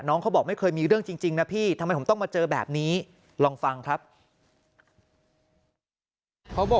เขาบอกไม่เคยมีเรื่องจริงนะพี่ทำไมผมต้องมาเจอแบบนี้ลองฟังครับ